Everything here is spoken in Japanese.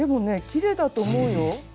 きれいだと思うよ。